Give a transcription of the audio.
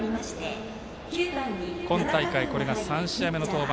今大会、これが３試合目の登板。